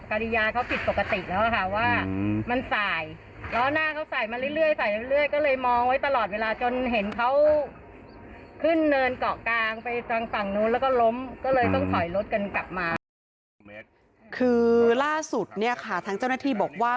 คือล่าสุดเนี่ยค่ะทางเจ้าหน้าที่บอกว่า